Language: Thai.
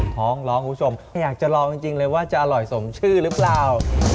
ท้องร้องคุณผู้ชมอยากจะลองจริงเลยว่าจะอร่อยสมชื่อหรือเปล่า